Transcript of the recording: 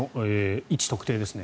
位置特定ですね。